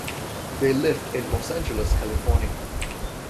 They lived in Los Angeles, California.